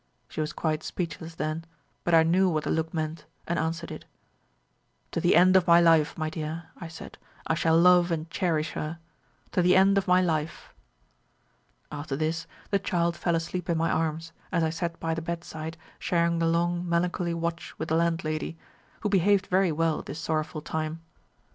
She was quite speechless then, but I knew what the look meant, and answered it. "'To the end of my life, my dear,' I said, 'I shall love and cherish her to the end of my life.' "After this the child fell asleep in my arms as I sat by the bedside sharing the long melancholy watch with the landlady, who behaved very well at this sorrowful time.